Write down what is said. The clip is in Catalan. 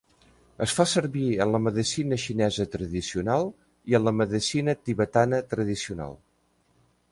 Es fa servir en la medicina xinesa tradicional i en la medicina tibetana tradicional.